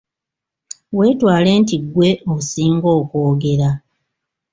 Weetwale nti ggwe osinga okwogera.